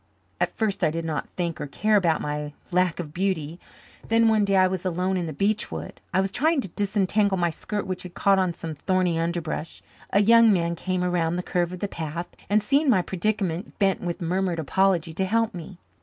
At first I did not think or care about my lack of beauty; then one day I was alone in the beech wood; I was trying to disentangle my skirt which had caught on some thorny underbrush. A young man came around the curve of the path and, seeing my predicament, bent with murmured apology to help me.